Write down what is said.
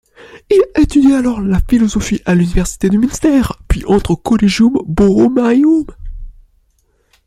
Il étudie alors la philosophie à l'université de Münster puis entre au Collegium Borromaeum.